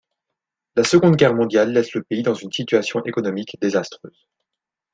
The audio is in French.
La Seconde Guerre mondiale laisse le pays dans une situation économique désastreuse.